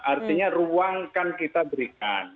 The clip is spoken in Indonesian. artinya ruang kan kita berikan